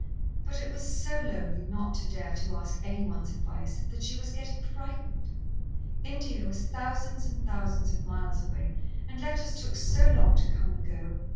But it was so lonely not to dare to ask anyone's advice, that she was getting frightened. India was thousands and thousands of miles away, and letters took so long to come and go.